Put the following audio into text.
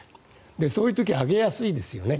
そういう時は上げやすいですよね